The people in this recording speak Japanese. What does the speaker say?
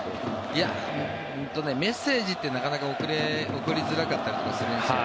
いや、メッセージってなかなか送りづらかったりするんですよ。